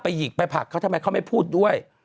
หยิกไปผลักเขาทำไมเขาไม่พูดด้วย